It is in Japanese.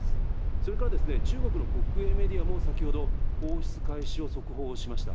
それから、中国の国営メディアも先ほど、放出開始を速報しました。